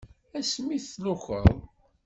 Ass mi d-tlukeḍ.